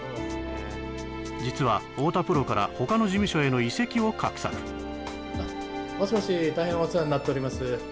実は太田プロから他の事務所への移籍を画策もしもし大変お世話になっております